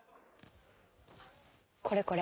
これこれ。